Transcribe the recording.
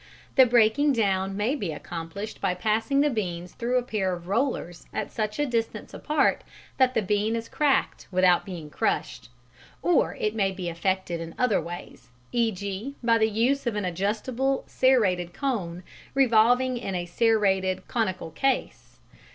The breaking down may be accomplished by passing the beans through a pair of rollers at such a distance apart that the bean is cracked without being crushed. Or it may be effected in other ways, e.g., by the use of an adjustable serrated cone revolving in a serrated conical case.